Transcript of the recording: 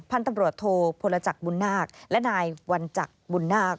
พันธุ์ตำรวจโทพลจักรบุญนาคและนายวันจักรบุญนาค